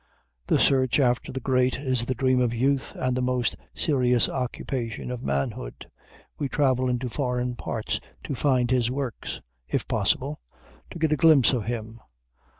The search after the great is the dream of youth and the most serious occupation of manhood. We travel into foreign parts to find his works if possible, to get a glimpse of him.